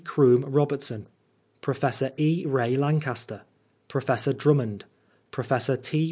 Croom Bobertson Professor £. Bay Lancaster Professor Drummond Professor T.